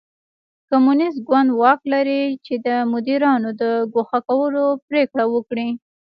کمونېست ګوند واک لري چې د مدیرانو د ګوښه کولو پرېکړه وکړي.